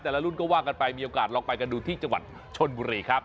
รุ่นก็ว่ากันไปมีโอกาสลองไปกันดูที่จังหวัดชนบุรีครับ